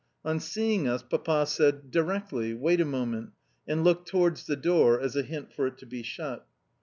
On seeing us, Papa said, "Directly wait a moment," and looked towards the door as a hint for it to be shut.